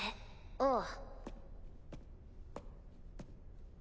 ああ。